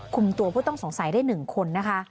คุมตัวผู้ต้องสงสัยได้๑คนนะคะ